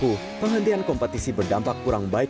dan juga penghentian kompetisi berdampak kurang banyak